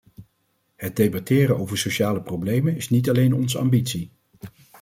Het debatteren over sociale problemen is niet alleen onze ambitie.